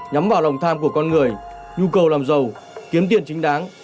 nhắm vào lòng tham của con người nhu cầu làm giàu kiếm tiền chính đáng